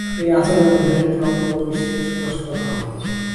এই আচারের মধ্যে দুটি অঙ্গ বিশেষ দ্রষ্টব্য।